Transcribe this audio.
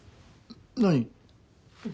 何？